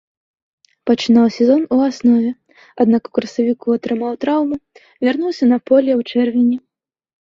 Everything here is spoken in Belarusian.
Пачынаў сезон у аснове, аднак у красавіку атрымаў траўму, вярнуўся на поле ў чэрвені.